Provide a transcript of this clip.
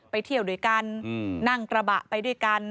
ไปเที่ยวด้วยกันนั่งกระบะไปด้วยกัน